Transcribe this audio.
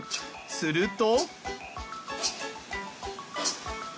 すると。